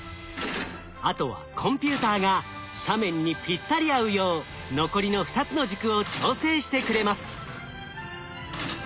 あとはコンピューターが斜面にぴったり合うよう残りの２つの軸を調整してくれます。